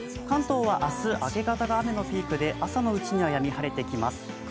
関東は明日明け方が雨のピークで朝のうちにはやみ、晴れてきます。